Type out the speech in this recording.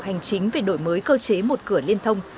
hành chính về đổi mới cơ chế một cửa liên thông